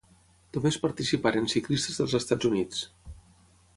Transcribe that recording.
Només participaren ciclistes dels Estats Units.